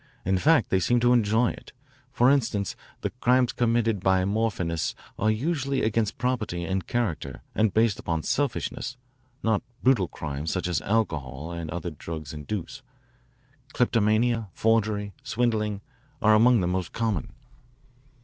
In fact they seem to enjoy it. For instance, the crimes committed by morphinists are usually against property and character and based upon selfishness, not brutal crimes such as alcohol and other drugs induce. Kleptomania, forgery, swindling, are among the most common.